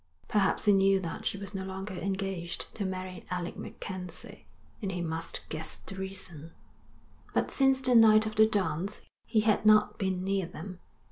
Perhaps he knew that she was no longer engaged to marry Alec MacKenzie, and he must guess the reason; but since the night of the dance he had not been near them.